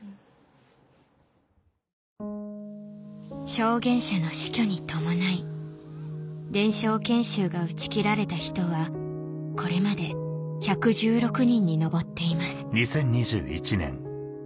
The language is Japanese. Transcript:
証言者の死去に伴い伝承研修が打ち切られた人はこれまで１１６人に上っています